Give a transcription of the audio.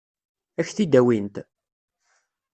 Ad k-t-id-awint?